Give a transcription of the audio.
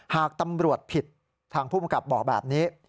หากตำรวจผิดทางภูมิกับบอกแบบนี้